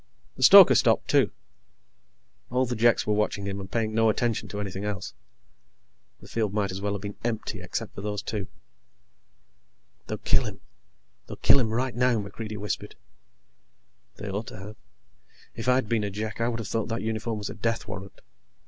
The stoker stopped, too. All the Jeks were watching him and paying no attention to anything else. The field might as well have been empty except for those two. "They'll kill him. They'll kill him right now," MacReidie whispered. They ought to have. If I'd been a Jek, I would have thought that uniform was a death warrant.